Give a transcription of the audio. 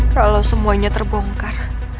kalau semuanya terbongkar